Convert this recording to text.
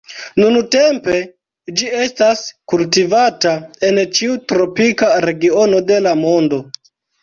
Nuntempe ĝi estas kultivata en ĉiu tropika regiono de la mondo.